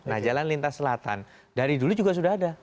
nah jalan lintas selatan dari dulu juga sudah ada